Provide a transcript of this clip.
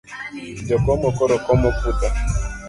Jo komo koro komo putha.